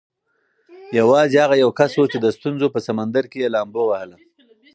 یوازې هغه یو کس و چې د ستونزو په سمندر کې یې لامبو ووهله.